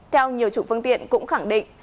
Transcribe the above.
theo nhiều chủ phương tiện cũng khẳng định